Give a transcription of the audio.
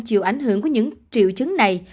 chịu ảnh hưởng của những triệu chứng này